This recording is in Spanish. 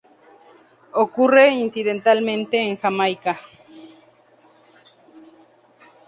Ocurre incidentalmente en Jamaica.